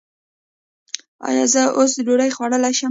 ایا زه اوس ډوډۍ خوړلی شم؟